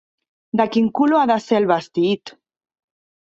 De quin color ha de ser el vestit?